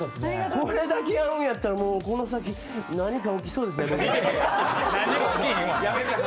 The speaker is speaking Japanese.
これだけ合うんやったらこの先、何か起きそうですね。